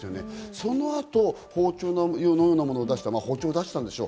その後、包丁のようなもの出した、包丁を出したんでしょう。